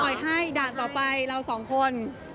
อ่อยให้ด่านต่อไปเราทั้ง๒คน